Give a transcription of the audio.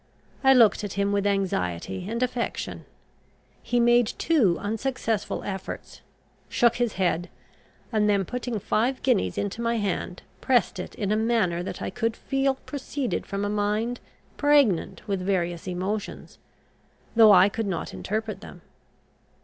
I looked at him with anxiety and affection. He made two unsuccessful efforts, shook his head, and then putting five guineas into my hand, pressed it in a manner that I could feel proceeded from a mind pregnant with various emotions, though I could not interpret them.